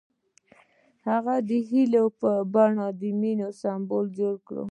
هغه د هیلې په بڼه د مینې سمبول جوړ کړ.